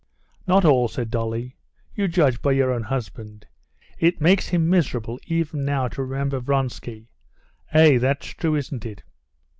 "Not all," said Dolly. "You judge by your own husband. It makes him miserable even now to remember Vronsky. Eh? that's true, isn't it?"